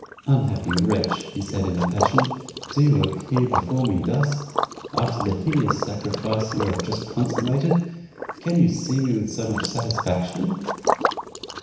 "Unhappy wretch!" said he in a passion, "do you appear before me thus? after the hideous sacrifice you have just consummated, can you see me with so much satisfaction?"